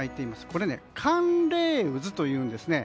これを寒冷渦というんですね。